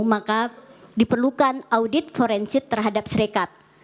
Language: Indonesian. maka diperlukan audit forensik terhadap serekap